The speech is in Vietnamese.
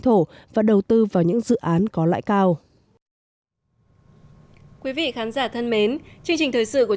thổ và đầu tư vào những dự án có lãi cao quý vị khán giả thân mến chương trình thời sự của